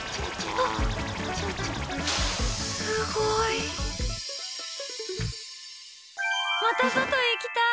あ、すごい。また外行きたい！